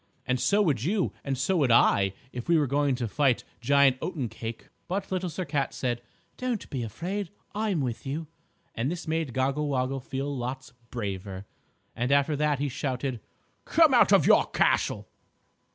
And so would you and so would I if we were going to fight Giant Oatencake. But Little Sir Cat said: "Don't be afraid. I'm with you!" and this made Goggle Woggle feel lots braver. And after that he shouted: "Come out of your castle!"